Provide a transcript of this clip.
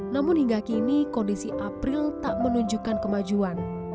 namun hingga kini kondisi april tak menunjukkan kemajuan